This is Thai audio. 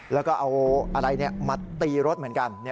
แล้วก็เอาอะไรมาตีรถเหมือนกัน